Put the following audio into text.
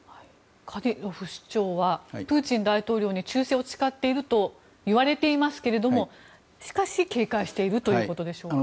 カディロフ首長はプーチン大統領に忠誠を誓っているといわれていますけれどもしかし、警戒しているということでしょうか。